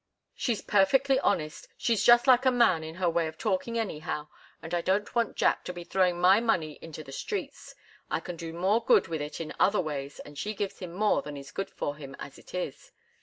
She's perfectly honest. She's just like a man in her way of talking, anyhow. And I don't want Jack to be throwing my money into the streets. I can do more good with it in other ways, and she gives him more than is good for him, as it is.